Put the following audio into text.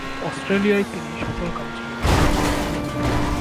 অস্ট্রেলিয়ায় তিনি সফলকাম ছিলেন।